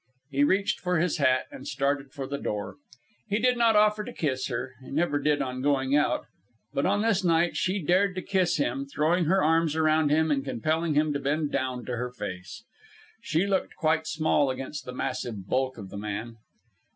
He reached for his hat and started for the door. He did not offer to kiss her he never did on going out but on this night she dared to kiss him, throwing her arms around him and compelling him to bend down to her face. She looked quite small against the massive bulk of the man.